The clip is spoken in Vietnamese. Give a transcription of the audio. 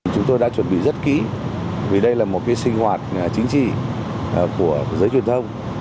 chúng tôi đã chuẩn bị rất kỹ vì đây là một sinh hoạt chính trị của giới truyền thông